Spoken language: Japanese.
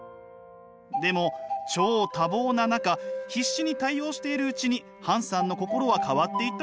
でも超多忙な中必死に対応しているうちにハンさんの心は変わっていったといいます。